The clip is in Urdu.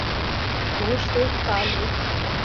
ہوش سے کا لو